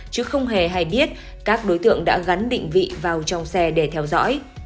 chứ không hề hay biết các đối tượng đã gắn định vị vào trong xe để theo dõi